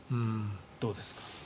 どうですか？